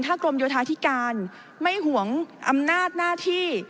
กรมโยธาธิการไม่ห่วงอำนาจหน้าที่